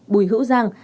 bùi hữu giang